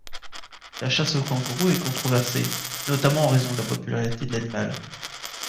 La chasse aux kangourous est controversée, notamment en raison de la popularité de l'animal.